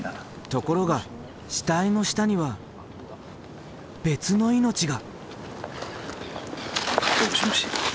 ところが死体の下には別の命が。